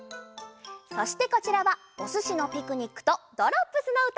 そしてこちらは「おすしのピクニック」と「ドロップスのうた」。